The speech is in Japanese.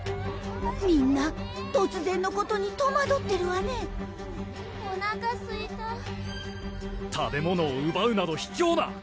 ・みんな突然のことに戸惑ってるわねおなかすいた食べ物をうばうなどひきょうな！